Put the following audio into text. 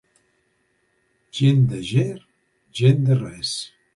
Gent de Ger, gent de res.